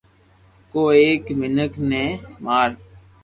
ڪو ايڪ مينک ني مار